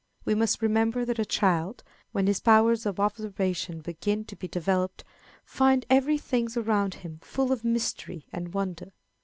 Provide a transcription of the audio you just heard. We must remember that a child, when his powers of observation begin to be developed, finds every thing around him full of mystery and wonder.